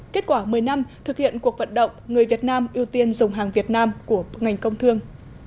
kết quả một mươi năm thực hiện cuộc vận động người việt nam ưu tiên dùng hàng việt nam của ngành công thương